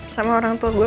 sama orang tua gue